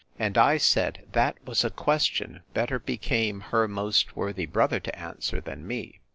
And I said, That was a question better became her most worthy brother to answer, than me.